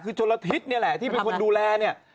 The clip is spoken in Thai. คือชนละทิศนี่แหละที่เป็นคนดูแลเนี่ย